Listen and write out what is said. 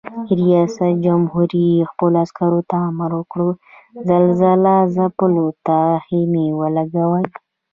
رئیس جمهور خپلو عسکرو ته امر وکړ؛ زلزله ځپلو ته خېمې ولګوئ!